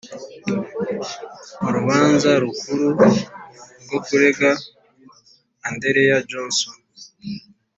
urubanza rukuru rwo kurega andereya johnson